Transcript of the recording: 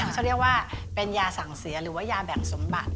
เขาเรียกว่าเป็นยาสั่งเสียหรือว่ายาแบ่งสมบัติ